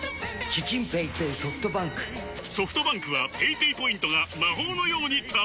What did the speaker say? ソフトバンクはペイペイポイントが魔法のように貯まる！